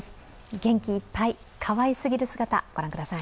元気いっぱい、かわいすぎる姿、御覧ください。